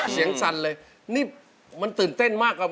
เฉียงสั่นเลยนี่มันตื่นเต้นมาก